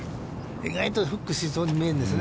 意外とフックしそうに見えるんですよね。